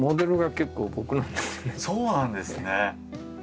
そうなんですね。